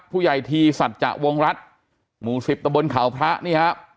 ผู้ใหญ่ทีสัตว์จะวงรัฐหมู่สิบตะบลเขาพระเนี้ยครับ